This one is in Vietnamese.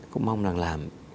cũng mong rằng là